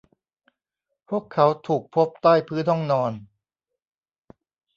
พวกเขาถูกพบใต้พื้นห้องนอน